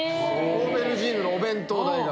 オーベルジーヌのお弁当代が。